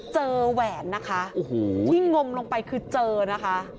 เจอแหวนนะคะที่งมลงไปคือเจอนะคะ